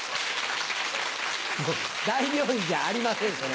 大病院じゃありませんそれ